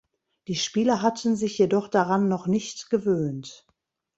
Die Spieler hatten sich jedoch daran noch nicht gewöhnt.